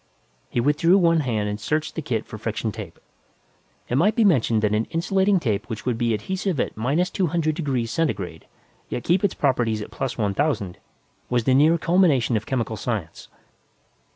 He withdrew one hand and searched the kit for friction tape. It might be mentioned that an insulating tape which would be adhesive at minus two hundred degrees centigrade yet keep its properties at plus one thousand, was the near culmination of chemical science.